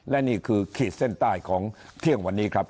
และนี่คือขีดเส้นใต้ของเที่ยงวันนี้ครับ